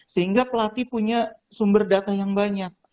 sehingga pelatih punya sumber data yang banyak